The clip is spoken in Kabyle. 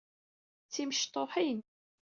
D timecṭuḥin.